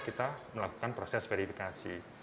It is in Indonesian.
kita melakukan proses verifikasi